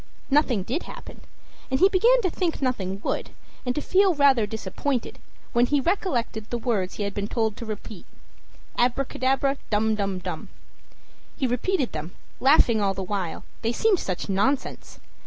Nothing did happen, and he began to think nothing would, and to feel rather disappointed, when he recollected the words he had been told to repeat "Abracadabra, dum dum dum!" He repeated them, laughing all the while, they seemed such nonsense.